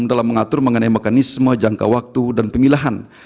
dalam mengatur mengenai mekanisme jangka waktu dan pemilahan